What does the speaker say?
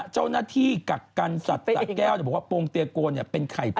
เจ้าหน้าที่กักกันสัตว์สัตว์แก้วเนี่ยบอกว่าโปรงเตียโกเนี่ยเป็นไข่เป็ด